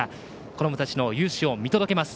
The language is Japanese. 子どもたちの雄姿を見届けます。